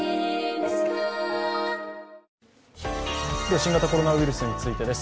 新型コロナウイルスについてです。